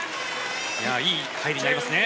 いい入りになりますね。